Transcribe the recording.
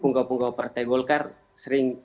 penggawa penggawa partai golkar sering